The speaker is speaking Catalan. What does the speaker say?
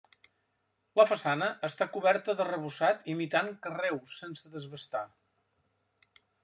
La façana està coberta d'arrebossat imitant carreus sense desbastar.